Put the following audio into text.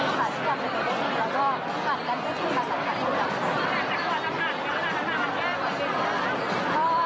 ก็คือเป็นการพูดคุยกันมีความฝันที่จำเป็นกันกันแล้วก็